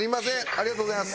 ありがとうございます。